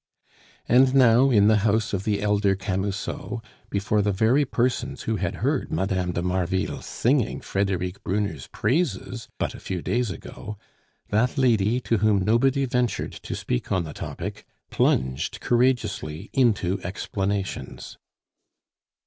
And now in the house of the elder Camusot, before the very persons who had heard Mme. de Marville singing Frederic Brunner's praises but a few days ago, that lady, to whom nobody ventured to speak on the topic, plunged courageously into explanations.